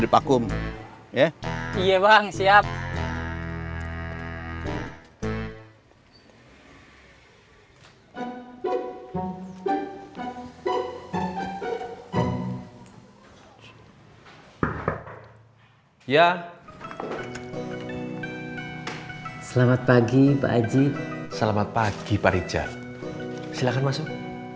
di pakum ya iya bang siap ya selamat pagi pak aji selamat pagi pak rijal silakan masuk